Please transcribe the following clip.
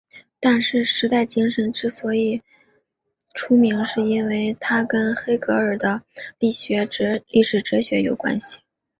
但是时代精神之所以出名是因为它跟黑格尔的历史哲学有关系。